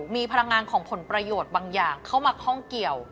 มีพลังงานของผลประโยชน์บางอย่างเข้ามาข้องเกี่ยว